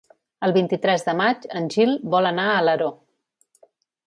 El vint-i-tres de maig en Gil vol anar a Alaró.